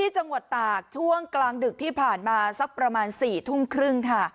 จังหวัดตากช่วงกลางดึกที่ผ่านมาสักประมาณ๔ทุ่มครึ่งค่ะ